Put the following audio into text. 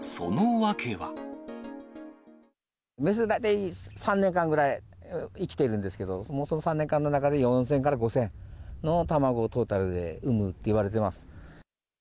雌は大体３年間ぐらい生きてるんですけど、その３年間の中で、４０００から５０００の卵をトータルで産むっていわれてます。